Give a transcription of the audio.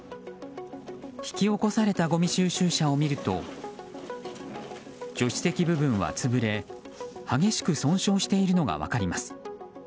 引き起こされたごみ収集車を見ると助手席部分は潰れ激しく損傷しているのが分かります。